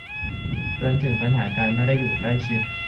เตือนถึงปัญหาการไม่ได้อยู่ใกล้ชิด